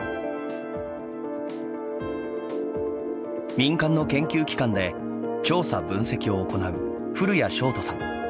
民間の研究機関で調査・分析を行う古屋星斗さん。